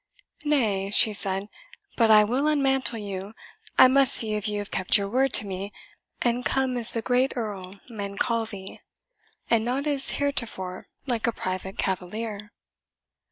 "Nay," she said, "but I will unmantle you. I must see if you have kept your word to me, and come as the great Earl men call thee, and not as heretofore like a private cavalier."